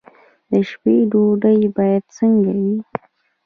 د شپې ډوډۍ باید څنګه وي؟